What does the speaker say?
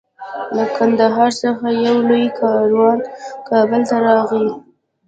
له قندهار څخه یو لوی کاروان کابل ته راغی.